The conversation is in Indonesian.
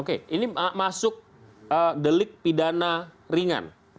oke ini masuk delik pidana ringan